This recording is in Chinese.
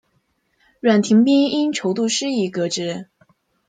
阮廷宾因筹度失宜革职。